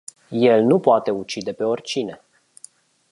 El nu poate ucide pe oricine.